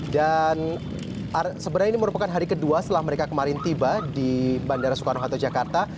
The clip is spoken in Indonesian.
dan sebenarnya ini merupakan hari kedua setelah mereka kemarin tiba di bandara soekarno hatta jakarta